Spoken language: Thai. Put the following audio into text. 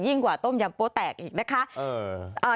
ยิ่งกว่าต้มยัมโบแตกอีกนะคะ